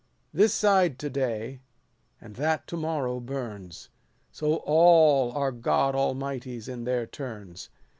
This side to day, and that to morrow burns ; So all are God Almighties in their turns.